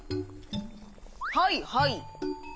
はいはい。